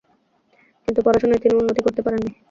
কিন্তু পড়াশোনায় তিনি উন্নতি করতে পারেননি।